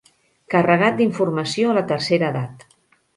Carregat d'informació a la tercera edat.